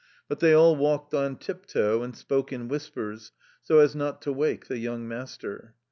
But they alf walked on tlp iofiL and spoke in whispers, so as not to wake the young master.